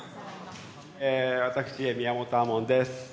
え私宮本亞門です。